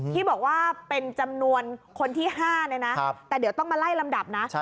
ที่บอกว่าเป็นจำนวนคนที่๕เนี่ยนะแต่เดี๋ยวต้องมาไล่ลำดับนะ